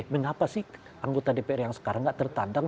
mengapa anggota dpr yang sekarang gak tertantang